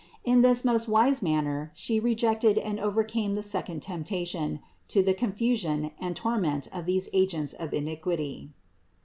In this most wise manner She re jected and overcame the second temptation, to the con fusion and torment of these agents of iniquity.